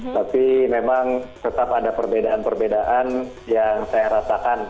tapi memang tetap ada perbedaan perbedaan yang saya rasakan